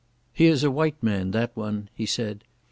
"He is a white man, that one," he said.